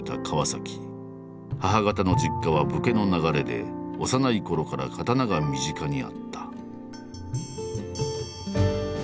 母方の実家は武家の流れで幼いころから刀が身近にあった。